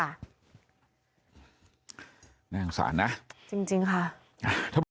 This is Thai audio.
แน่งสารนะจริงจริงค่ะ